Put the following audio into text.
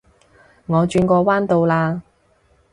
我轉個彎到啦